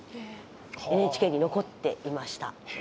ＮＨＫに残っていました。